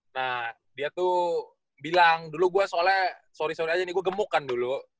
nah dia tuh bilang dulu gue soalnya sorry sorry aja nih gue gemuk kan dulu